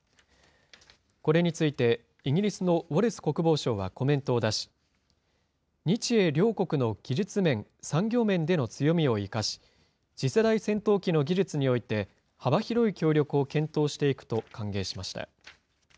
これについてイギリスのウォレス国防相はコメントを出し、日英両国の技術面、産業面での強みを生かし、次世代戦闘機の技術において、幅広い協力を検討していくと歓迎しました。